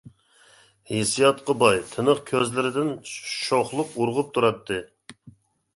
ھېسسىياتقا باي تىنىق كۆزلىرىدىن شوخلۇق ئۇرغۇپ تۇراتتى.